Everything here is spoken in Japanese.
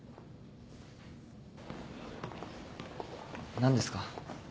何ですか？